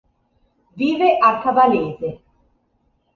Vive a Cavalese.